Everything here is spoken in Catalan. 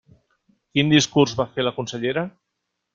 Quin discurs va fer la consellera?